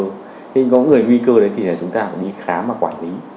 thế nhưng có người nguy cơ thì chúng ta phải đi khám và quản lý